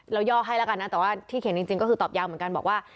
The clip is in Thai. ย่อให้แล้วกันนะแต่ว่าที่เขียนจริงก็คือตอบยาวเหมือนกันบอกว่า